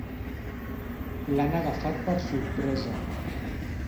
L'han agafat per sorpresa.